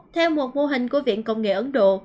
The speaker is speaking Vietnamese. theo một mô hình của viện công nghệ ấn độ